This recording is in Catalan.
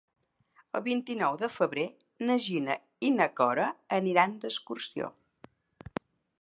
El vint-i-nou de febrer na Gina i na Cora aniran d'excursió.